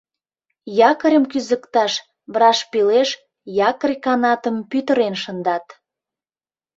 Якорьым кӱзыкташ брашпилеш якорь канатым пӱтырен шындат.